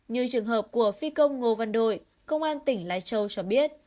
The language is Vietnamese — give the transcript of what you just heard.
như trường hợp của phi công ngô văn đội công an tỉnh lai châu cho biết